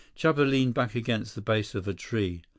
Chuba leaned back against the base of a tree.